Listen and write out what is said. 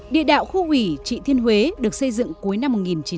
địa đạo khu quỷ trị thiên huế được xây dựng cuối năm một nghìn chín trăm sáu mươi bảy